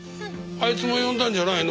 あいつも呼んだんじゃないの？